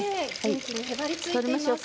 取りましょうか？